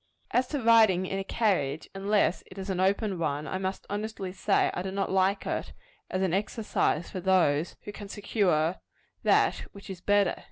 As to riding in a carriage, unless it is an open one, I must honestly say I do not like it, as an exercise for those who can secure that which is better.